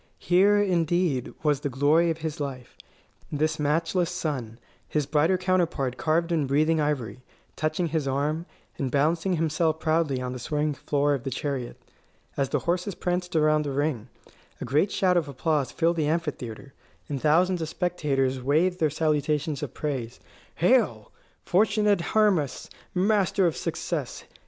Here, indeed, was the glory of his life this matchless son, his brighter counterpart carved in breathing ivory, touching his arm, and balancing himself proudly on the swaying floor of the chariot. As the horses pranced around the ring, a great shout of applause filled the amphitheatre, and thousands of spectators waved their salutations of praise: "Hail, fortunate Hermas, master of success!